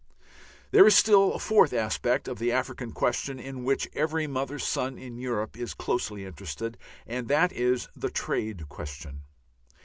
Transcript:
There is still a fourth aspect of the African question in which every mother's son in Europe is closely interested, and that is the trade question.